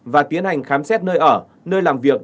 và tiến hành khám xét nơi ở nơi làm việc